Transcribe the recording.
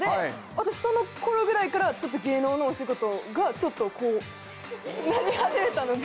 私その頃ぐらいから芸能のお仕事がちょっとこうなり始めたので。